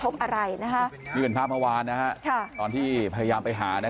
กลุ่มตัวเชียงใหม่